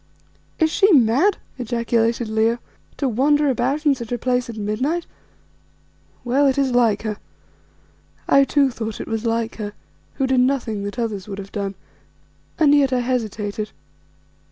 "Is she mad," ejaculated Leo, "to wander about in such a place at midnight? Well, it is like her." I too thought it was like her, who did nothing that others would have done, and yet I hesitated.